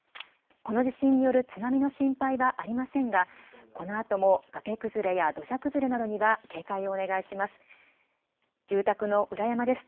この地震による津波の心配はありませんがこのあとも崖崩れや土砂崩れなどには警戒をお願いします。